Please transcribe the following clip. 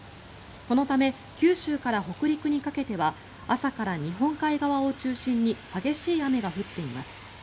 このため九州から北陸にかけては朝から日本海側を中心に激しい雨が降っています。